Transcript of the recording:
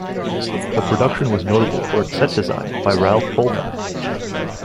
The production was notable for its set design by Ralph Koltai.